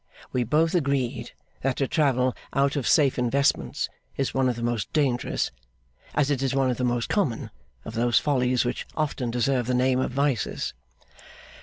We both agreed that to travel out of safe investments is one of the most dangerous, as it is one of the most common, of those follies which often deserve the name of vices.